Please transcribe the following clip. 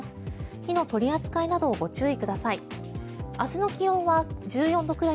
火の取り扱いなどご注意ください。